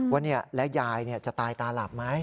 ว่าและยายจะตายตาหลับไหม